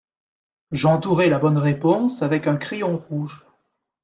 J’entourai la bonne réponse avec un crayon rouge.